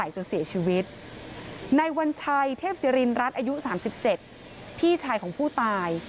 จนเสียชีวิตในวัญชัยเทพศิรินรัฐอายุ๓๗พี่ชายของผู้ตาย